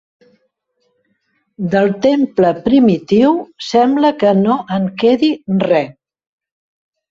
Del temple primitiu, sembla que no en quedi res.